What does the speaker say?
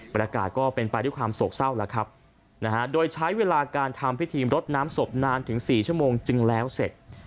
ก็เป็นไปด้วยความโศกเศร้าแล้วครับนะฮะโดยใช้เวลาการทำพิธีรดน้ำศพนานถึง๔ชั่วโมงจึงแล้วเสร็จ